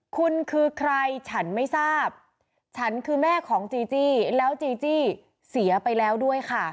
คุณคือใครฉันไม่ทราบฉันคือแม่ของจีจี้แล้วจีจี้เสียไปแล้วด้วยค่ะ